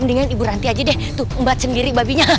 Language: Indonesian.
mendingan ibu ranti aja deh tuh mbak sendiri babinya